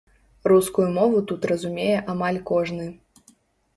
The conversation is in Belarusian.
Рускую мову тут разумее амаль кожны.